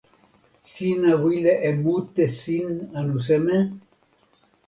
sina wile e mute sin anu seme?